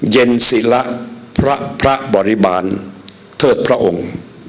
เย็นศิละพระพระบริบาลเทิดพระองค์